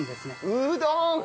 うどん！